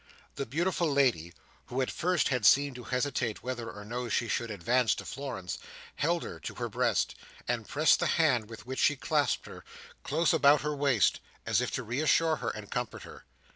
The beautiful lady, who at first had seemed to hesitate whether or no she should advance to Florence, held her to her breast, and pressed the hand with which she clasped her, close about her waist, as if to reassure her and comfort her.